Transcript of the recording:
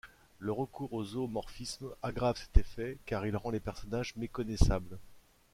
Le recours au zoomorphisme aggrave cet effet, car il rend les personnages méconnaissables.